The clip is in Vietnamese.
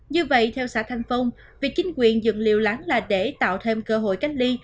như vậy theo xã thanh phong việc chính quyền dựng liều láng là để tạo thêm cơ hội cách ly